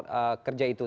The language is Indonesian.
terima kasih pak